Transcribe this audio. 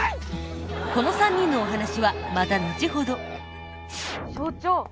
この３人のお話はまた後ほど所長